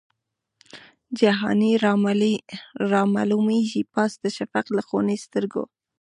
جهاني رامعلومیږي پاس د شفق له خوني سترګو